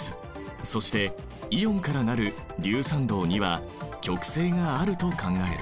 そしてイオンから成る硫酸銅は極性があると考える。